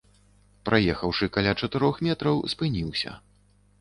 Праехаўшы каля чатырох метраў, спыніўся.